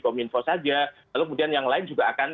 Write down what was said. kominfo saja lalu kemudian yang lain juga akan